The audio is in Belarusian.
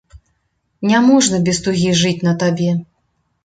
Няможна без тугі жыць на табе.